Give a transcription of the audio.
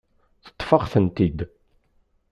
Teṭṭfeḍ-aɣ-tent-id.